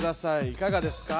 いかがですか？